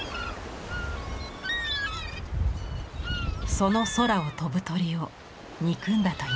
その空を飛ぶ鳥を憎んだといいます。